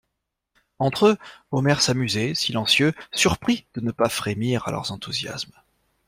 Entre eux, Omer s'amusait, silencieux, surpris de ne pas frémir à leurs enthousiasmes.